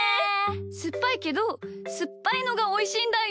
すっぱいけどすっぱいのがおいしいんだよ。